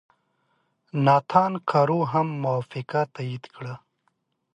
ناتان کرو هم موافقه تایید کړه.